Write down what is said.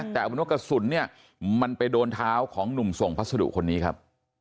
แต่เอาเป็นว่ากระสุนเนี่ยมันไปโดนเท้าของหนุ่มส่งพัสดุคนนี้ครับ